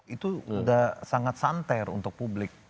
itu sudah sangat santer untuk publik